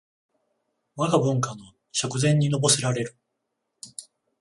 わが文化の食膳にのぼせられる